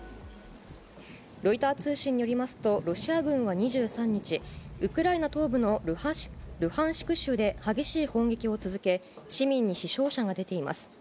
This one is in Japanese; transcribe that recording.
ロイター通信によりますと、ロシア軍は２３日、ウクライナ東部のルハンシク州で激しい砲撃を続け、市民に死傷者が出ています。